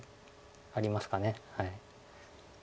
ありますかね。